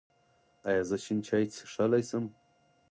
ایا زه شین چای څښلی شم؟